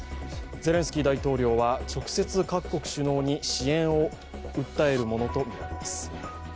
ゼレンスキー大統領は直接、各国首脳に支援を伝えるものとみられます。